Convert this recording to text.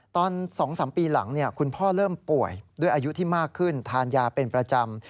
ตอน๒๓ปีหลังคุณพ่อเริ่มป่วยด้วยอายุที่มากขึ้นทานยาเป็นประจำ